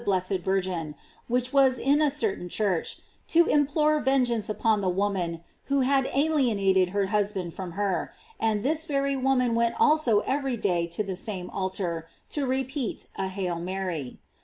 blessed Virgin, which was in a certain churcht to implore vengeance upon the woman who had alienated her husband from her; and this very woman went also every day to the same altar, to repeat a "Hail Mary."